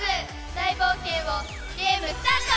大冒険をゲームスタート！